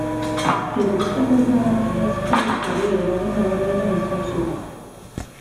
Telebistako programei esker ere eragin nabarmena izan zuen.